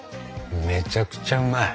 めちゃくちゃうまい！